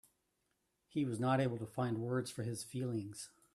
He was not able to find words for his feelings.